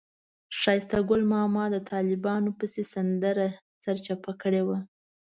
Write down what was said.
ښایسته ګل ماما د طالبانو پسې سندره سرچپه کړې وه.